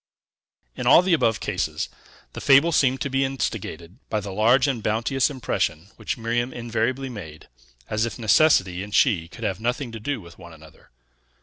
In all the above cases, the fable seemed to be instigated by the large and bounteous impression which Miriam invariably made, as if necessity and she could have nothing to do with one another.